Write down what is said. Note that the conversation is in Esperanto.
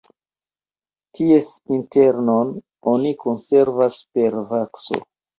Ties internon oni konservas per vakso.